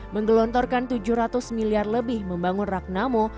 menggelontorkan tujuh ratus miliar lebih membangun ragnamo